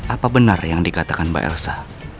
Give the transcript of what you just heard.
apa benar yang dikatakan mbak elsa